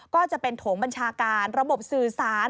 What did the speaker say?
ก็จะเป็นโถงบัญชาการระบบสื่อสาร